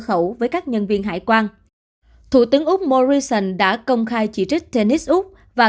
khẩu với các nhân viên hải quan thủ tướng úc morrison đã công khai chỉ trích tennis úc và